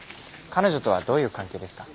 彼女とはどういう関係ですか？